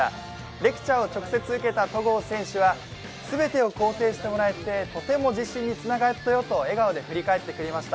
レクチャーを直接受けた戸郷選手は全てを肯定してもらえてとても自信につながったよと笑顔で振り返ってくれました。